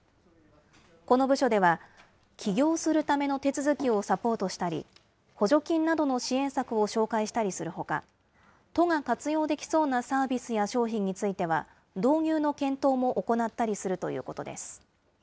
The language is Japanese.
この部署では、起業するための手続きをサポートしたり、補助金などの支援策を紹介したりするほか、都が活用できそうなサービスや商品については、導入の検討も行ったりするということです。